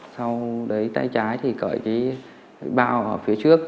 sau đấy tay trái thì cởi cái bao ở phía trước